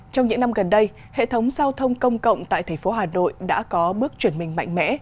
trong những năm gần đây hệ thống giao thông công cộng tại thành phố hà nội đã có bước chuyển mình mạnh mẽ